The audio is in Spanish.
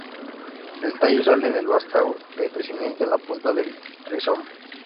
El tallo sale del vástago de crecimiento en la punta del rizoma.